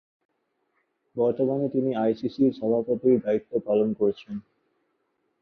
বর্তমানে তিনি আইসিসি’র সভাপতির দায়িত্ব পালন করছেন।